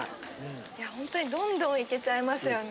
いやほんとにどんどんいけちゃいますよね。